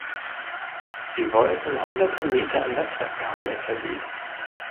Sie wollten hunderte Meter an Netzwerkkabeln verlegen.